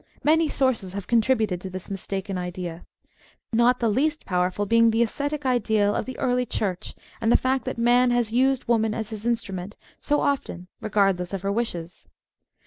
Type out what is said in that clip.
Many sources have contributed to this mistaken idea, not the least powerful being the ascetic ideal of the early Church and the fact that man has used woman as his instrument so often regardless of her wishes.